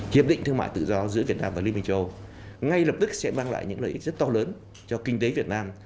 hiệp định thương mại tự do giữa việt nam và liên minh châu âu ngay lập tức sẽ mang lại những lợi ích rất to lớn cho kinh tế việt nam